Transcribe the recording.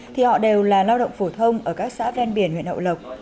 thì họ đều là lao động phổ thông ở các xã ven biển huyện hậu lộc